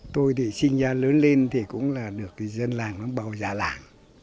tôi thì sinh ra lớn lên thì cũng là được dân làng bảo già làng